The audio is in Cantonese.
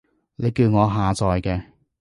你叫我下載嘅